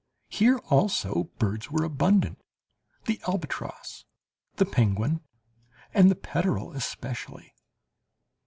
Here also birds were abundant; the albatross, the penguin, and the peterel especially.